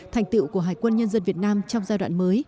thành tựu của hải quân nhân dân việt nam trong giai đoạn mới